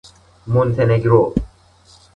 مونتهنگرو